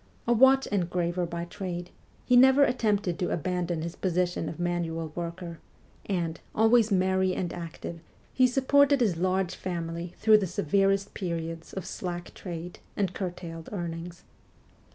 A watch engraver by trade, he never attempted to abandon his position of manual worker, and, always merry and active, he supported his large family through the severest periods of slack trade and curtailed earnings.